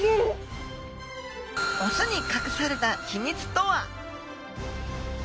オスにかくされた秘密とは？